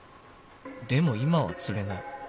「でも今は釣れない」